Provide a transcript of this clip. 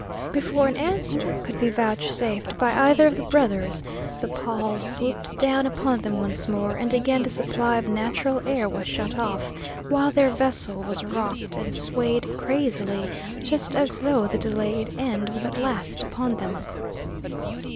Before an answer could be vouchsafed by either of the brothers, the pall swooped down upon them once more, and again the supply of natural air was shut off, while their vessel was rocked and swayed crazily, just as though the delayed end was at last upon them.